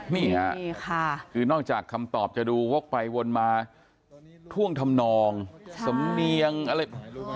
นี่ค่ะนี่ค่ะคือนอกจากคำตอบจะดูวกไปวนมาท่วงทำนองสำเนียงอะไร